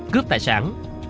cướp tài sản